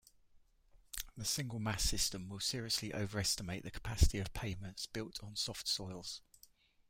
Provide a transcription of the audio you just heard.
The single-mass system will seriously overestimate the capacity of pavements built on soft soils.